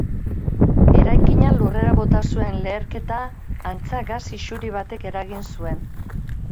Eraikina lurrera bota zuen leherketa antza gas isuri batek eragin zuen.